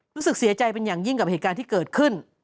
รู้สึกเสียใจเป็นอย่างยิ่งกับเหตุการณ์ที่เกิดขึ้น